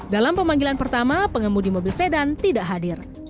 dalam pemanggilan pertama pengemudi mobil sedan tidak hadir